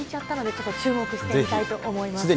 ちょっと注目してみたいと思います。